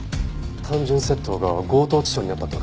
単純窃盗が強盗致傷になったってわけですか。